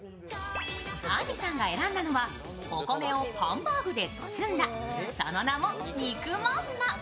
あんりさんが選んだのはお米をハンバーグで包んだその名も肉まんま。